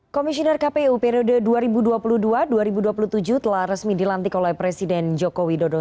komisioner kpu periode dua ribu dua puluh dua dua ribu dua puluh tujuh telah resmi dilantik oleh presiden joko widodo